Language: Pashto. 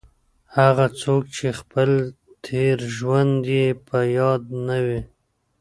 هغه څوک چې خپل تېر ژوند یې په یاد نه وي.